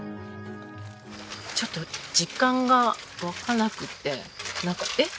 ちょっと実感が湧かなくてえっ！